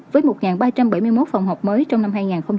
với một ba trăm bảy mươi một phòng học mới trong năm hai nghìn hai mươi